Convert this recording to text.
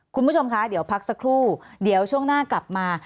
คุณผู้ชมคะเดี๋ยวพักสักครู่เดี๋ยวช่วงหน้ากลับมา